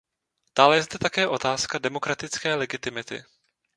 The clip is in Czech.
Dále je zde také otázka demokratické legitimity.